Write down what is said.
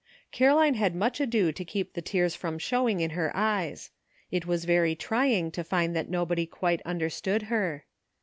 Caroline had much ado to keep the tears from showing in her eyes ; it was very trying to find that nobody quite understood her.